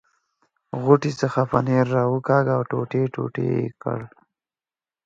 غوټې څخه پنیر را وکاږه او ټوټې ټوټې یې کړ.